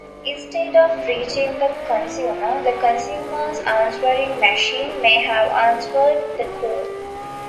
Instead of reaching the consumer, the consumer's answering machine may have answered the call.